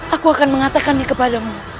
aku akan mengatakan ini kepadamu